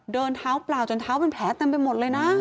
เดินเท้าเปล่าจนเท้าเป็นแผลเต็มไปหมดเลยนะ